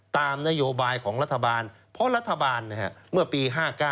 ตามนโยบายของรัฐบาลเพราะรัฐบาลเมื่อปี๕๙